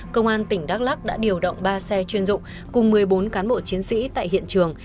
công an tỉnh đắk lắc đã điều động ba xe chuyên dụng cùng một mươi bốn cán bộ chiến sĩ tại hiện trường